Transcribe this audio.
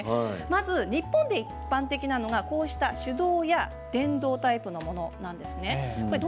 まず日本で一般的なのはこうした手動や電動のタイプのものなんですね。